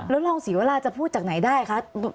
แล้วรองศรีวราจะพูดจากไหนได้คะ